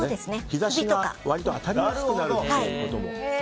日差しが割と当たりやすくなるということも。